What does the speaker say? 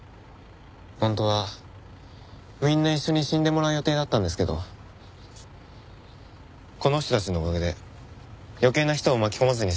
本当はみんな一緒に死んでもらう予定だったんですけどこの人たちのおかげで余計な人を巻き込まずに済みそうです。